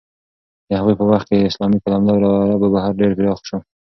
د هغوی په وخت کې اسلامي قلمرو له عربو بهر ډېر پراخ شو.